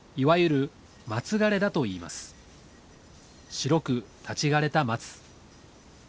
白く立ち枯れた松。